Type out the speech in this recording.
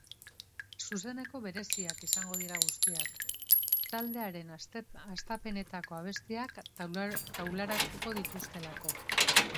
Zuzeneko bereziak izango dira guztiak, taldearen hastepenetako abestiak taularatuko dituztelako.